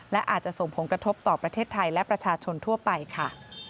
และอาจจะส่งผลกระทบต่อประเทศไทยและประชาชนทั่วไปค่ะ